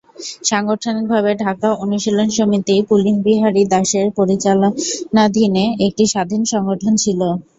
সাংগঠনিকভাবে ঢাকা অনুশীলন সমিতি পুলিনবিহারী দাসের পরিচালনাধীনে একটি স্বাধীন সংগঠন ছিল।